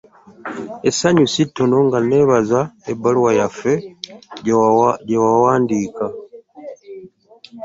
Essanyu si ttono nga nneebaza ebbaluwa yaffe gye wawandiika.